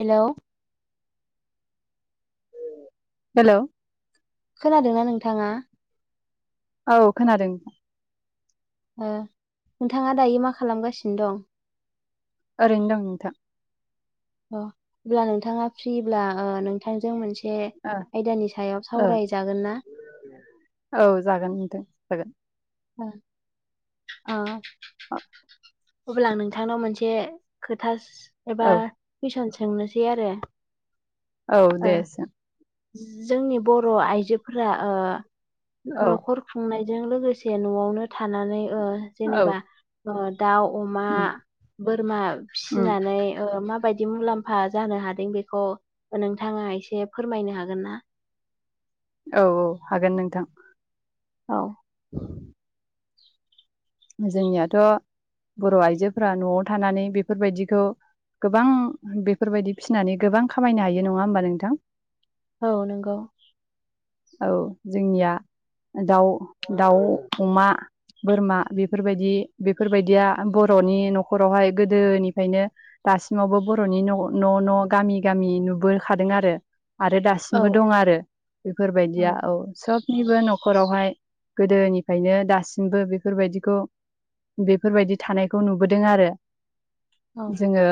हेल' hello खोनादोंना नोंथाङा? औ खोनादों। ओ नोंथाङा दायो मा खालाम गासिनो दं? ओरैनो दं नोंथां। अ अब्ला नोंथाङा फ्रि ब्ला नोंथांजों मोनसे बे ओ आयदानि सायाव ओ सावराय जागोन ना? औ जागोन नोंथां जागोन। ओ ओ ओ अब्ला आ नोंथां नाव मोनसे खोथास एबा औ कुइसन सोंनोसै आरो। औ ओ दे सों जोंनि बर' आइजोफ्रा ओ औ न'खर खुंनाय जों लोगोसे न'आवनो थानानै ओ औ जेनेबा ओ दाउ अमा उम बोरमा फिसि उम नानै ओ माबायदि मुलाम्फा जानो हादों बेखौ नोंथाङा एसे फोरमायनो हागोन ना? औ औ हागोन नोंथां। औ। जोंनियाथ' बर' आइजो फोरा न'आव थानानै बेफोर बायदिखौ गोबां बेफोर बायदि फिनानै गोबां खामायनो हायो नङा होमबा नोंथां? औ नंगौ। औ जोंनिया दाउ, दाउ, अमा, बोरमा बेफोर बायदि बेफोर बायदिया बर'नि न'खरावहाय गोदो निफ्रायनो दासिमाव बो बर'नि' न' न', गामि गामि नुबो खादों आरो। आरो दासिमबो औ दं आरो बेफोर बायदिया औ सब निबो न'खराव हाय गोदोनि फ्रायनो दासिमबो बेफोर बायदि खौ बेफोर बायदि थानायखौ नुबोदों आरो जोङो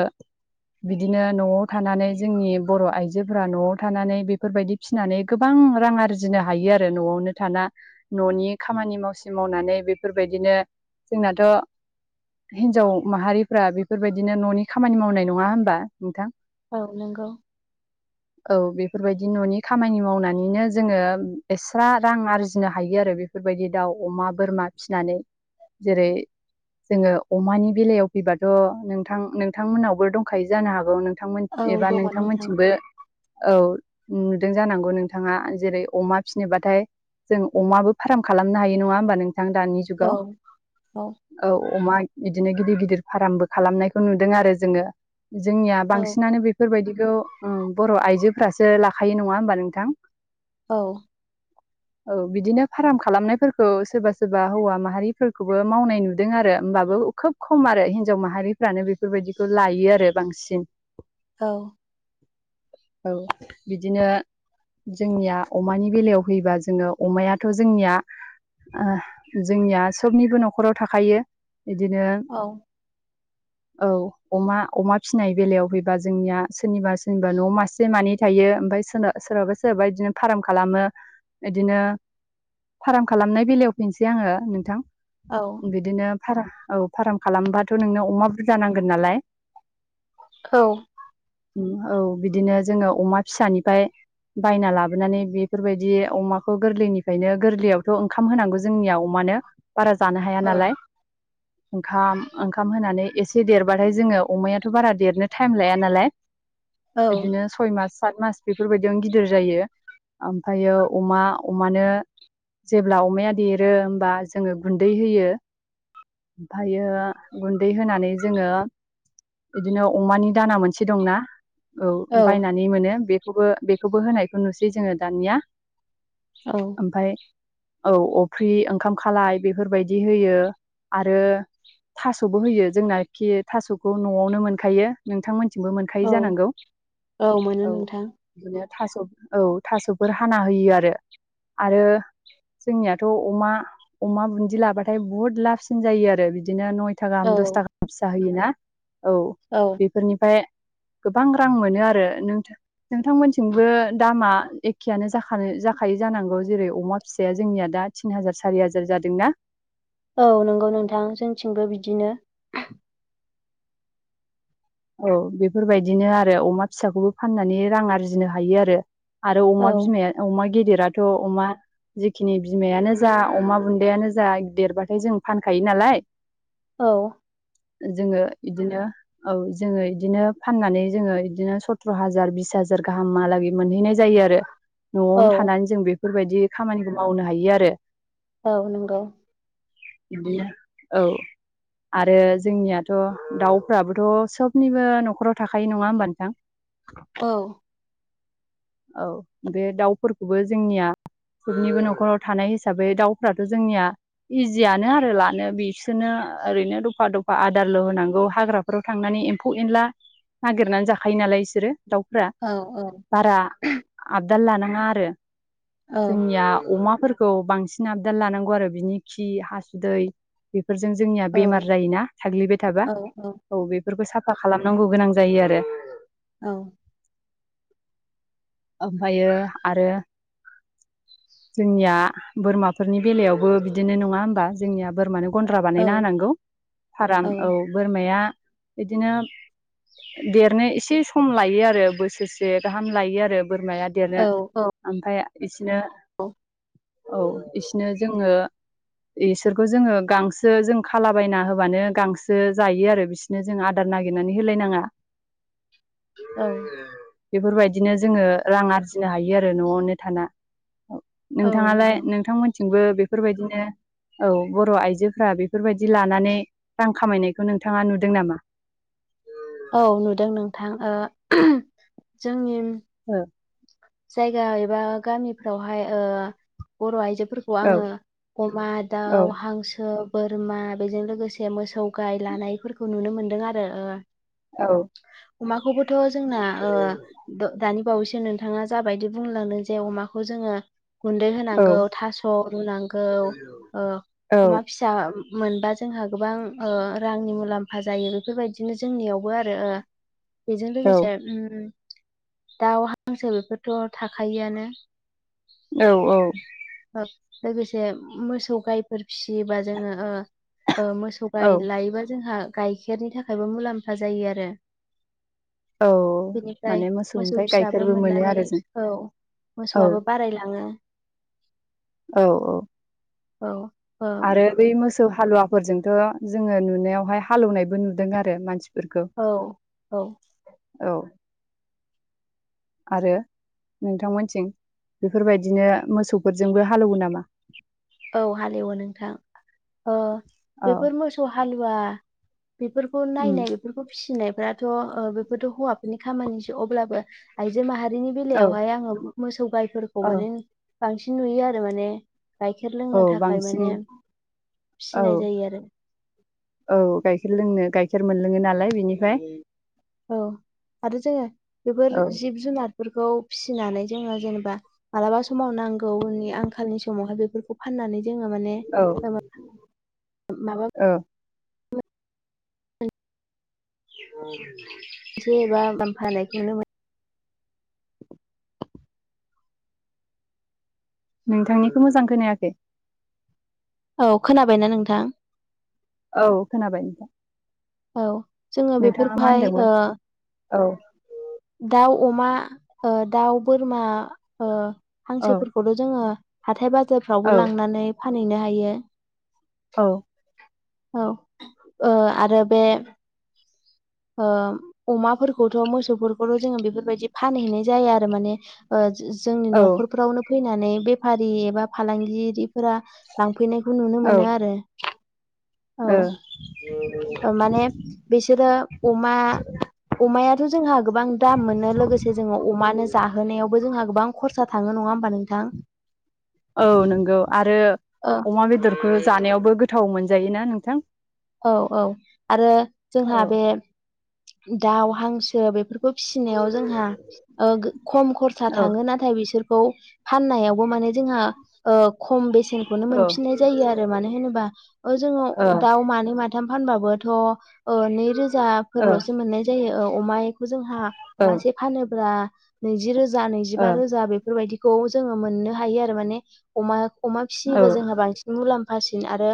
बिदिनो न'आव थानानै जोंनि बर' आइजो फोरा न'आव थानानै बेफोर बायदि फिसिनानै गोबां गोबां रां आरजिनो हायो आरो न'आवनो थाना न'नि खामानि मावसि मावनानै बेफोर बायदिनो जोंनाथ' हिनजाव माहारि फ्रा बेफोर बायदिनो न'नि खामानि मावनाय नङा होमबा नोंथां? औ नंगौ। औ बेफोर बायदि न'नि खामानि मावनानैनो जोङो एस्रा रां आरजिनो हायो आरो बेफोर बेफोर बायदि दाउ अमा बोरमा फिनानै जेरै जोङो अमानि बेलायाव फैबाथ' नोंथां नोंथां मोनावबो दंखायो जानो हागौ। नोंथां मोन औ एबा दङ नोंथां मोनथिंबो औ नुदों जानांगौ नोंथाङा जेरै अमा फिनोबाथाय जों अमाबो फार्म खालामनो हायो नङा होमबा नों थां दानि औ जुगाव औ अमा गि बिदिनो गिदिर गिदिर फार्मबो खालामनायखौ नुदों आरो जोङो जोंनिया औ बांसिनानो बेफोरबायदि बेखौ बर' आइजोफ्रासो लाखायो नङा होमबा नोंथां औ औ बिदिनो फार्म खालामनायफोरखौ सोरबा- सोरबा हौवा माहारि फोरखौबो मावनाय नुदों आरो होमबाबो खोब खम आरो हिन्जाव माहारिफ्रानो बेफोरबायदिखौ लायो आरो बांसिन औ औ बिदिनो जोंनिया अमानि बेलायाव होयोबा जोङो अमायाथ जोंनिया ओ जोंनिया सबनिबो नखराव थाखायो बिदिनो औ [inaudible] औ अमा अमा फिसिनाय बेलायाव फैबा जोंनिया सोरनिबा सोरनिबा न मासे मानै थायो ओमफफ्राय सोरा सोरहाबा सोरहाबा बिदिनो फाराम खालामो बिदिनो फार्म खालामनाय बेलायाव फैनोसै आङो नोंथां औ बिदिनो फारा औ फार्म खालामबाथ नोंनो अमा बुरजा नांगोन नालाय औ औ बिदिनो जोङो अमा फिसानिफ्राय बायना लाबोनानै बेफोरबायदि अमाखौ गोरलैनिफ्रायनो गोरलैयावथ ओंखाम होनांगौ जोंनिया अमा बारा जानो हाया नालाय ओंखाम ओंखाम होनानै एसे एसे देरबाथाय जोङो अमायाथ बारा देरनो टाइम लाया नालाय बिदिनो सय मास सात मास बेफोरबायदियावनो गिदिर जायो ओमफ्रायो अमा अमानो जेब्ला अमाया देरो होमबा जोङो गुन्दै होयो ओमफ्रायो गुन्दै होनानै जोङो बिदिनो अमानि दाना मोनसे दंना औ औ बायनानै मोनो बेखौबो बेखौबो होनायखौ नुसै जोङो दानिया औ ओमफफ्राय औ अफ्रि ओंखाम खालाय बेफोरबायदि होयो आरो थासबो होयो जोंनाखि थासखौ नआवनो मोनखायो नोंथांमोन मोनखायो औ जानांगौ मोनो औ नोंथां बिनो थास औ थासफोर हाना होयो आरो आरो जोंनियाथ अमा अमा बुन्दि लाबाथाय बुहुत लाबसिन जायो आरो बिदिनो नयथा गाहाम औ दस थाखााहाम फिसा होयोना औ औ बेफोरनिफ्राय गोबां रां मोनो आरो नोंथांमोनथिमबो दामा एखेयानो जाखानो जाखायो जानांगौ जेरै अमा फिसाया जोंनिया दा थिन हाजार सारि हाजार जादोंना औ नंगौ नोंथां जोंथिंबो बिदिनो औ बेफोरबायदिनो आरो अमा फिसाखौबो फाननानै रां आरजिनो हायो आरो आरो अमा औ बिमाया अमा गेदिराथ अमा जिेखिनि बिमायानो जा अमा बुन्दायानो जा देरबाथाय जों फानखायो नालाय औ जोङो बिदिनो औ जोङो इदिनो फाननानै जोङो बिदिनो सत्र त्हाजार बिस हाजार गाहामलागै मोनहैनाय जायो आरो 'आवनो औ थानानै जों बेफोरबायदि खामानिखौ मावनो हायो आरो औ नंगौ बिदिनो औ आरो जोंनियाथ दाउफ्राबो ' थ सबनिबो नखराव थाखायो नङा होमबा नोंथां औ औ बे दाउफोरखौबो जोंनिया बयनिबो नखराव थानाय हिसाबै दाउफ्राथ जोंनिया इजियानो आरो लानो बिसोरो ओरैनो दफा दफा आदारल होनांगौ हाग्रा नखराव थांनानै एम्फौ एनला नागिरनानै जाखायो नालाय इसोरो दाउफ्रा औ बारा आबदाल लानाङा आरो औ जोंनिया अमा फोरखौ बांसिन आबदाद लानांगौ आरो बिनि खि हासुदै बे बे फोरफोरजों जोंनिया औ बेमार जायोना साग्लिबाय औ थाबा औ बेफोरखौ साफा खालामनांगौ गोनां जायो आरो औ ओमफायो आरो जोंनिया बोरमाफोरनि बेलायावबो बिदिनो नङा होमबा जोंनिया बोरमानो गन्द्रा बानायना होनांगौ फाराम औ बोरमाया इदिनो देरनो एसे सम लायो आरो बोसोरसे गाहाम लायो आरो बोरमाया देरनो औ ओमफाय इसिनो औ औ इसिनो जोङो इसोरखौ जोङो गांसो जों खालाबायना होबानो गांसो जायो आरो बिसिनो जों आदार नागिरनानै होलायनाङा औ बेफोरबायदिनो जोङो रां आरजिनो हायो आरो न'आवनो थाना औ नोंथाङालाय नंगौ नोंथांमोनथिंबो बेफोरबायदिनो औ बर' आइजोफ्रा बेफोरबायदि लानानै रां खामायनायखौ नोंथाङा नुदों नामा? औ नुदों नोंथां ओ [unintelligible] जोंनि [unintelligible] जायगा एबा गामिफ्रावहाय ओ बर' आइजो फोरखौ औ आङो अमा औ दाउ हांसो बोरमा बेजों लोगोसे मोसौ गाय लानायफोरखौ नुनो मोनदों आरो ओ अमाखौबोथ' जोंना ओ द-दानि बावैसो नों थाङा जाबायदि बुंलांदों जे अमाखौ जोङो गुन्दै औ होनांगौ थास' रुनांगौ ओ अमा औ फिसा मोनबा जोंहा गोबां ओ रांनि मुलाम्फा जायो बेफोरबायदिनो जोंनियावबो आरो ओ बेजों औ लोगोसे उम दाउ हांसो बेफोरथ' थाखायोआनो औ औ ओ लोगोसे मोसौ गायफोर फिसियोबा जोङो ओ ओ मोसौ गाइ औ लायोबा जोंहा गाइखेरनि थाखायबो मुलाम्फा जायो आरो औ बिनिफ्राय माने मोसौ मोसौनिफ्राय फिसा गाइखेरबो मोनो मोननानै आरो जों औ औ मोसौआबो बारायलाङो औ औ औ ओ आरो बै मोसौ हालुवाफोरजोंथ' जोङो नुनायावहाय हालौनायबो नुदों आरो मानसि औ औ औ आरो? नोंथांमोनथिं बेफोरबायदिनो मोसौफोरजोंबो हालौवो नामा? औ हालेवो नोंथां ओ औ बेफोर मोसौ हालुवा बेफोरखौ उम नायनाय बेफोरखौ फिसिनाय फोराथ' ओ बेफोरथ' हौवाफोरनि खामानिसो अब्लाबो आइजो माहारिनि औ बेलायावहाय आङो मोसौ गायफोरखौ औ माने बांसिन नुयो आरो माने गाइखेर औ लोंनो थाखाय बांसिन माने औ फिनाय जायो आरो औ गाइखेर लोंनो गाइखेर मोनलोङो नालाय बिनिफाय औ आरो जोङो बेफोर औ जिब जुनार फोरखौ फिसिनानै जोङो जेनेबा मालाबा समाव नांगौनि आंखालनि समावहाय बेफोरखौ फाननानै जोङो माने औ माबा [unintelligible] औ औ [unintelligible] फानायनायखौनो [unintelligible] नोंथांनिखौ मोजां खोनायाखै औ खोनाबायना नोंथां? औ खोनाबाय नोंथां। औ जोङो नोंथाङा बेफोरखौ मा हाय ओ होनदोंमोन औ दाउ, अमा, ओ दाउ, बोरमा ओ औ हांसोफोरखौथ' जोङो हाथाय बाजारफ्रावबो औ लांनानै फानहैनो हायो। औ। औ ओ आरो बे ओ अमाफोरखौथ' मोसौफोरखौथ' जोङो बेफोरबायदि फानहैनाय जाया आरो माने ओ जोंनि औ न'खरफ्रावनो फैनानै बेफारि एबा फालांगिरिफोरा लांफैनायखौ नुनो औ मोनो आरो औ ओ माने बिसोरो अमा अमायाथ' जोंहा गोबां दाम मोनो लोगोसे जोङो अमानो जाहोनायावबो जोंहा गोबां खरसा थाङो नङा होमबा नोंथां। औ नंगौ आरो ओ औ औ आरो औ जोंहा बे दाउ, हांसो बेफोर बो फिसिनायाव जोंहा ओ खम खरसा औ थाङो नाथाय बिसोर खौ फाननायावबो माने जोंहा ओ ख'म बेसेनखैनो औ ओ मोनफिननाय जायो आरो मानोहोनोबा ओ जोङो ओ दाउ मा मानै, माथाम फानबाबोथ ओ नैरोजा ओ फोरलसो मोननाय जायो ओ अमा ए जों ओ मासे फानोब्ला नैज रोजा औ नैजबा रोजा बेफोरबायदि खौ जोङो मोननो हायो आरो माने अमा अमा ओ फिसियोबा जोंहा बांसिन मुलाम्फ आसिन आरो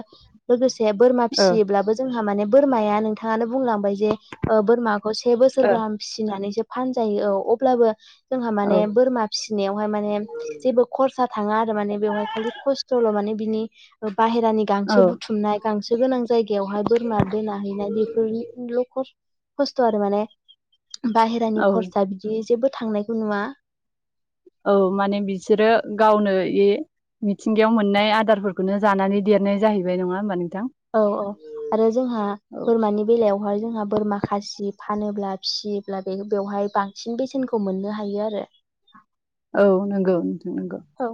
लोगोसे बोरमा फिटसियोब्लाबो जोंहा माने बोरमाया नोंथाङानो बुंलांबाय जे ओ बोरमाखौ से बोसोर गाहाम फिसिनानैसो फानजायो औ अब्लाबो जोंहा औ माने बोरमा फिसिनायावहाय माने जेबो खरसा थाङा आरो माने बेवहाय खालि खस्थ'ल' माने बिनि बाहेरानि औ गांसो बुथुमनाय गांसो गोनां जायगायाव हाय बोरमा दोना हैनाय बेफोरल' खस्थ' आरो माने बाहेरानि औ खरसा बिदि जोबोद थांनायखौ नुवा औ माने बिसोरो गावनो ए मिथिंगायाव मोननाय आदारफोरखौनो जानानै देरनाय जाहैबाय नङा होमबा नों औ औ आरो जोंहा औ बोरमानि बेलायावहाय जोंहा बोरमा खासि फानोब्ला फिसियोब्ला बेवहाय बांसिन बेसेनखौ मोननो हायो आरो। औ नंगौ नोंथां नंगौ। औ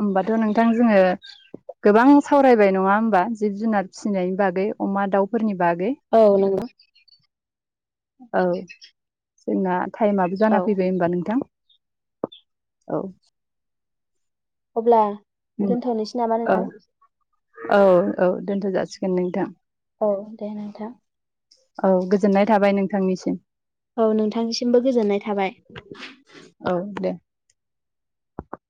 होमबाथ' नोंथां जोङो गोबां सावरायबाय नङा होमबा जिब जुनार फिसिनायनि बागै। अमा दाउफोरनि बागै औ नंगौ। औ जोंना टाइमाबो जाना औ फैबाय ओमबा नोंथां। औ। अब्ला उम दोनथ'नोसै नामा औ नोंथां? औ औ दोनथ' जासिगोन नोंथां। औ दे नोंथां औ गोजोननाय थाबाय नोंथांनिसिम। औ नोंथांनिसिमबो गोजोननाय थाबाय। औ दे